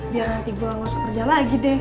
biar nanti gue ngusuk kerja lagi deh